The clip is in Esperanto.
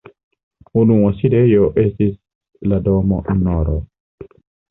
Unua sidejo estis la domo nr.